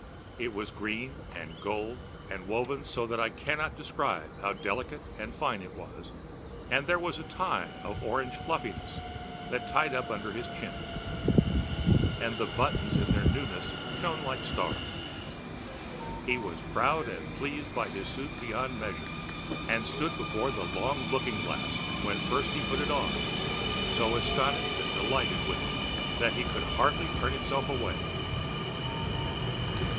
It was green and gold and woven so that I cannot describe how delicate and fine it was, and there was a tie of orange fluffiness that tied up under his chin. And the buttons in their newness shone like stars. He was proud and pleased by his suit beyond measure, and stood before the long looking glass when first he put it on, so astonished and delighted with it that he could hardly turn himself away.